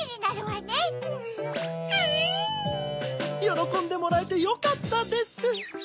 よろこんでもらえてよかったです！